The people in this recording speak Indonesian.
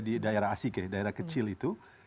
di daerah asike daerah kecil itu